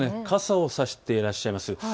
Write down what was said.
傘を差していらっしゃいます。